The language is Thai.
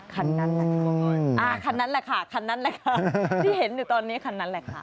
คันนั้นแหละค่ะที่เห็นอยู่ตอนนี้คันนั้นแหละค่ะ